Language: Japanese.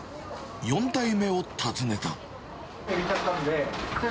４代目を訪ねた。